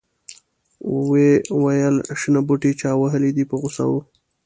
ویې ویل شنه بوټي چا وهلي دي په غوسه و.